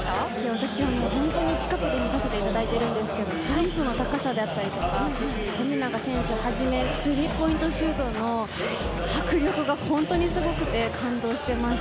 私は本当に近くで見させていただいているんですけどジャンプの高さだったりとか富永選手をはじめスリーポイントシュートの迫力が本当にすごくて感動しています。